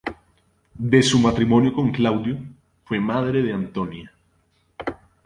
De su matrimonio con Claudio, fue madre de Antonia.